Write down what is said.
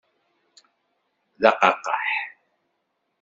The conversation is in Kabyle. D qaqqaḥ!